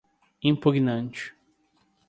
impugnante